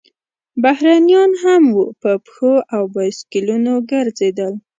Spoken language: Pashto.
بهرنیان هم وو، په پښو او بایسکلونو ګرځېدل.